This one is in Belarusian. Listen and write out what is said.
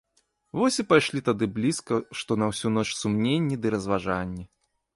Вось і пайшлі тады блізка што на ўсю ноч сумненні ды разважанні.